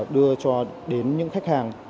đưa cho đến những khách hàng